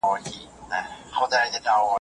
خلګ باید د ټولني د خیر لپاره ګډ کار وکړي.